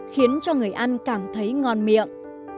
khiến cho người ăn cảm thấy ngon miệng